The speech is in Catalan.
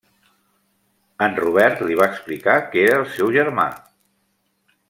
En Robert li va explicar que era el seu germà.